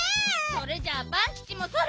それじゃあパンキチもそろそろ。